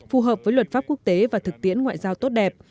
phù hợp với luật pháp quốc tế và thực tiễn ngoại giao tốt đẹp